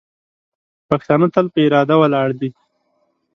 پښتانه تل په اراده ولاړ دي.